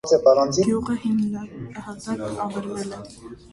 Գյուղը հիմնահատակ ավերվել է։